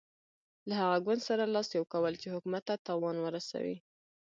له هغه ګوند سره لاس یو کول چې حکومت ته تاوان ورسوي.